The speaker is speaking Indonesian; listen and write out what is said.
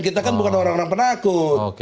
kita bukan orang orang yang penakut